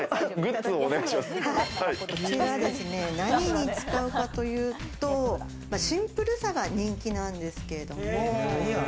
何に使うかというと、シンプルさが人気なんですけれど。